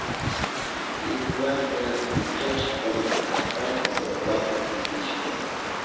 Kiwata pichashpan atallpa wawata pitishka.